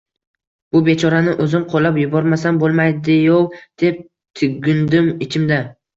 Bu bechorani o‘zim qo‘llab yubormasam bo‘lmaydi-yov, deb tugindim ichimda